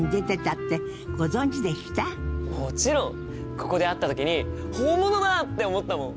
ここで会った時に本物だって思ったもん！